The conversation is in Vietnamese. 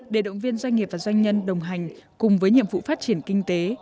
để động viên doanh nghiệp và doanh nhân đồng hành cùng với nhiệm vụ phát triển kinh tế